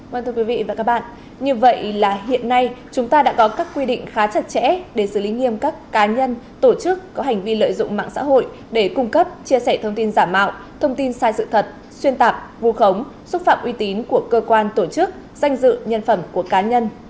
vâng thưa quý vị và các bạn như vậy là hiện nay chúng ta đã có các quy định khá chặt chẽ để xử lý nghiêm các cá nhân tổ chức có hành vi lợi dụng mạng xã hội để cung cấp chia sẻ thông tin giả mạo thông tin sai sự thật xuyên tạp vu khống xúc phạm uy tín của cơ quan tổ chức danh dự nhân phẩm của cá nhân